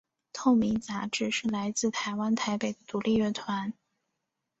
透明杂志是来自台湾台北的独立乐团。